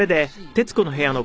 『徹子の部屋』は